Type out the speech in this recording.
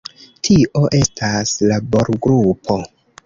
Tio estas laborgrupo.